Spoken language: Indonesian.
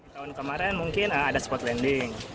tahun kemarin mungkin ada spot landing